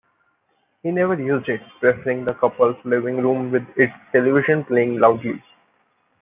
He never used it, preferring the couple's living room with its television playing loudly.